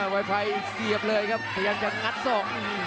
ไวไฟเสียบเลยครับพยายามจะงัดศอก